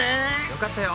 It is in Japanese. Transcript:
よかったよ！